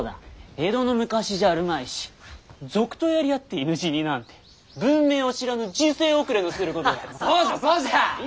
江戸の昔じゃあるまいし賊とやり合って犬死になんて文明を知らぬ時勢遅れのすることだ。